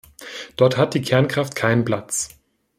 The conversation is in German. Dort hat die Kernkraft keinen Platz!